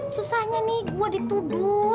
susahnya nih gue dituduh